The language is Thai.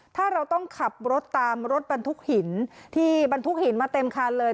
ถ้าเราต้องขับรถตามรถบรรทุกหินที่บรรทุกหินมาเต็มคันเลย